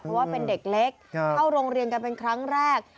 เพราะว่าเป็นเด็กเล็กเข้าโรงเรียนกันเป็นครั้งแรก